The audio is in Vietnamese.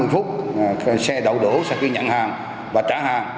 năm mươi phút xe đậu đỗ sau khi nhận hàng và trả hàng